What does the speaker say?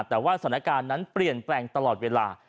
แต่ว่าสถานการณ์นั้นเปลี่ยนแปลงตลอดเวลา